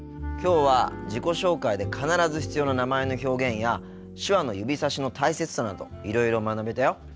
きょうは自己紹介で必ず必要な名前の表現や手話の指さしの大切さなどいろいろ学べたよ。